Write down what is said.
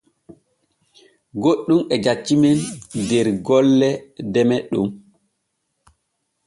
Goɗɗun e jaccimen der golle deme Ɗon.